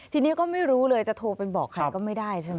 ทีนี้ก็ไม่รู้เลยจะโทรไปบอกใครก็ไม่ได้ใช่ไหม